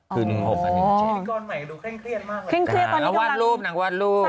เต้นเชื่อวาดรูปหนังวาดรูป